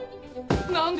何で？